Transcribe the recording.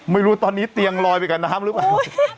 ไม่รู้ตอนนี้เตียงลอยไปกับน้ำหรือเปล่า